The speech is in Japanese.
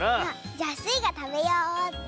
じゃあスイがたべようっと。